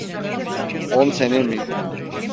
On sene mi?